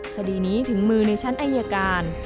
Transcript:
คดีนี้ถึงมือในชั้นอายการ